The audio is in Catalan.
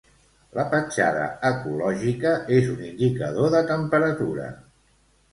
La petjada ecològica és un indicador de temperatura.